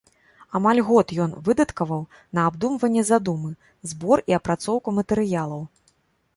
Амаль год ён выдаткаваў на абдумванне задумы, збор і апрацоўку матэрыялаў.